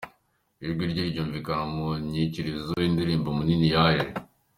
Ijwi rye ryumvikana mu nyikirizo y’indirimbo ‘Munini yaje’.